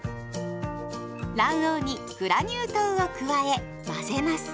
卵黄にグラニュー糖を加え混ぜます。